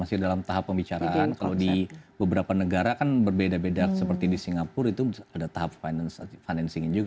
masih dalam tahap pembicaraan kalau di beberapa negara kan berbeda beda seperti di singapura itu ada tahap financingnya juga